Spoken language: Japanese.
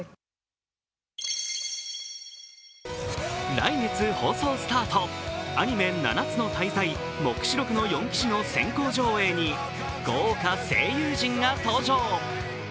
来月放送スタート、アニメ「七つの大罪黙示録の四騎士」の先行上映に豪華声優陣が登場。